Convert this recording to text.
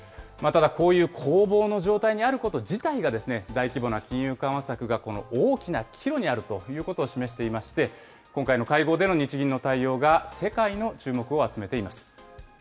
ただこういう攻防の状態にあること自体が、大規模な金融緩和策が大きな岐路にあるということを示していまして、今回の会合での日銀の対応が世界の注目を集めています。